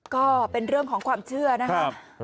ก็เป็นเรื่องของความเชื่อนะครับ